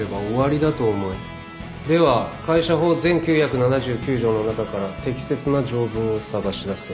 では会社法全９７９条の中から適切な条文を探し出せ。